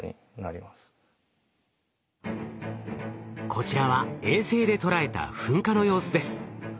こちらは衛星で捉えた噴火の様子です。